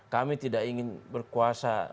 kami tidak ingin berkuasa